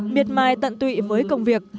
miệt mài tận tụy với công việc